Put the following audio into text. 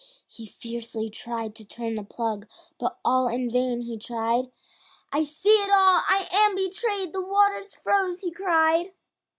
He fiercely tried to turn the plug, But all in vain he tried, "I see it all, I am betrayed, The water's froze," he cried.